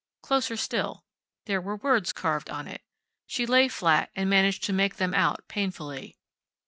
Closer still. There were words carved on it. She lay flat and managed to make them out painfully.